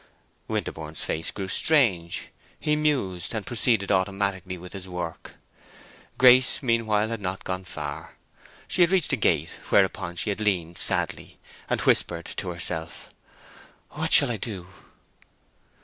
Winterborne's face grew strange; he mused, and proceeded automatically with his work. Grace meanwhile had not gone far. She had reached a gate, whereon she had leaned sadly, and whispered to herself, "What shall I do?"